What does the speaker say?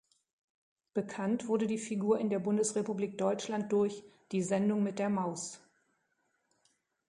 Bekannt wurde die Figur in der Bundesrepublik Deutschland durch "Die Sendung mit der Maus".